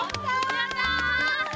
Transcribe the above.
やった！